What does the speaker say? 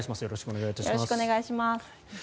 よろしくお願いします。